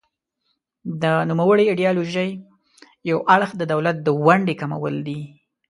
د نوموړې ایډیالوژۍ یو اړخ د دولت د ونډې کمول دي.